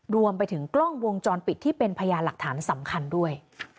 รวมไปถึงกล้องวงจรปิดที่เป็นพยานหลักฐานสำคัญด้วย